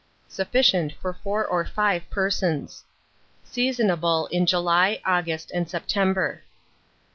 Sufficient for 4 or 5 persons. Seasonable in July, August, and September.